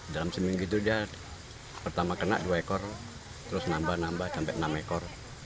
dalam seminggu itu dia pertama kena dua ekor terus nambah nambah sampai enam ekor